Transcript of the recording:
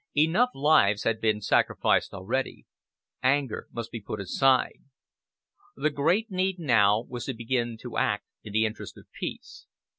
Enough lives had been sacrificed already. Anger must be put aside. The great need now was to begin to act in the interest of peace.